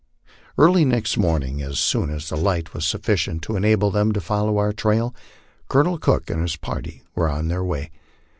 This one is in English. Early next morning, as soon as the light was sufficient to enable them to follow our trail, Colonel Cook and his party were on their way.